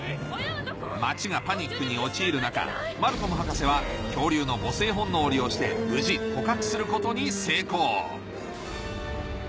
街がパニックに陥る中マルコム博士は恐竜の母性本能を利用して無事捕獲することに成功